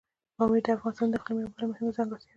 پامیر د افغانستان د اقلیم یوه بله مهمه ځانګړتیا ده.